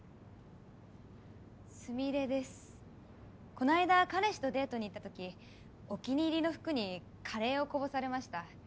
この間彼氏とデートに行った時お気に入りの服にカレーをこぼされました。